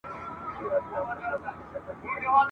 د خدای دوستان تېر سوي !.